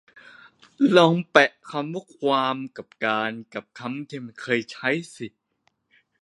ลองแปะคำว่า ความ กับ การ กับคำที่ไม่เคยใช้สิ